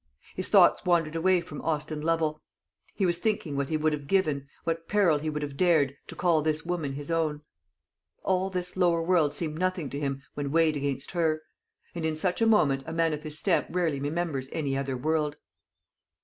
His thoughts wandered away from Austin Lovel. He was thinking what he would have given, what peril he would have dared, to call this woman his own. All this lower world seemed nothing to him when weighed against her; and in such a moment a man of his stamp rarely remembers any other world.